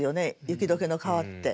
雪解けの川って。